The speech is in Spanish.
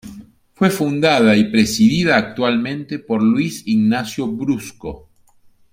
Fue fundada y es presidida actualmente por Luis Ignacio Brusco.